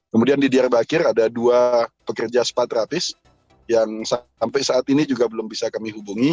kemudian di diyarbakir ada dua pekerja sepatrapis yang sampai saat ini juga belum bisa kami hubungi